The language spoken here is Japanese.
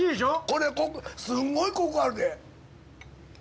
これコクすごいコクあるで。